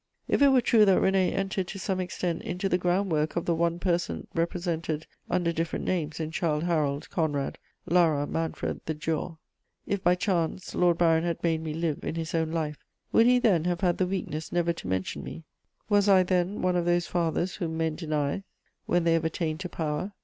If it were true that René entered to some extent into the groundwork of the one person represented under different names in Childe Harold, Conrad, Lara, Manfred, the Giaour; if, by chance, Lord Byron had made me live in his own life, would he then have had the weakness never to mention me? Was I then one of those fathers whom men deny when they have attained to power?